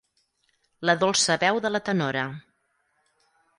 La dolça veu de la tenora.